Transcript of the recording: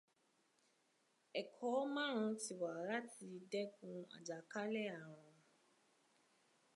Ẹ̀kọ́ márùn-ún tí wà láti dẹ́kun àjàkálẹ̀ ààrùn.